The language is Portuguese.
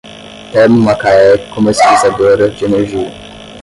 Termomacaé Comercializadora de Energia